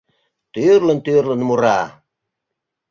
Тӱрлын-тӱрлын мура.